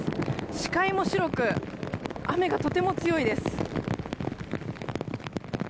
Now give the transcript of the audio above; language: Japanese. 視界も白く雨がとても強いです。